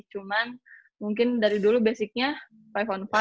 cuman mungkin dari dulu basicnya lima on lima